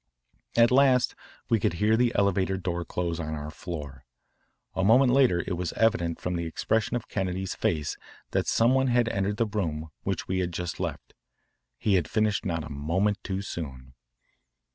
At last we could hear the elevator door close on our floor. A moment later it was evident from the expression of Kennedy's face that some one had entered the room which we had just left. He had finished not a moment too soon.